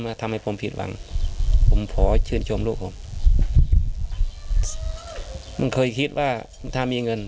มึงเคยคิดว่าถ้ามีเงิน